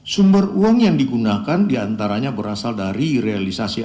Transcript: sumber uang yang digunakan diantaranya berasal dari realisasi